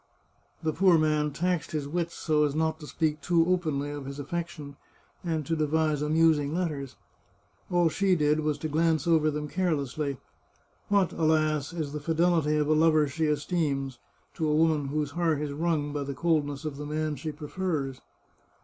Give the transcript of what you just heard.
The poor man taxed his wits so as not to speak too openly of his affection, and to devise amusing let ters. All she did was to glance over them carelessly. What, alas, is the fidelity of a lover she esteems, to a woman whose heart is wrung by the coldness of the man she prefers